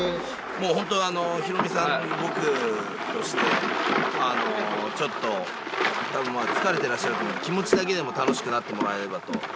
もう本当、ヒロミさん、僕として、ちょっと疲れてらっしゃると思うので、気持ちだけでも楽しくなってもらえればと。